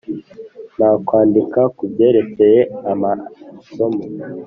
nakwandika kubyerekeye amasomo.